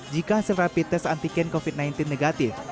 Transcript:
jika hasil rapid test antigen covid sembilan belas negatif